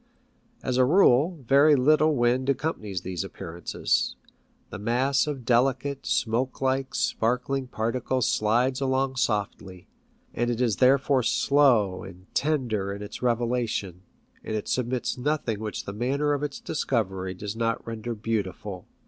As a rule, very little wind accompanies these appearances. The mass of delicate, smoke like, spark ling particles slides along softly, and it is therefore slow and tender in its revelations, and it submits nothing 70 PICTURES AT SEA, which the manner of its discovery does not render beautiful.